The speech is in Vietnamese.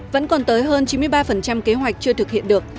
vẫn còn tới hơn chín mươi ba kế hoạch chưa thực hiện được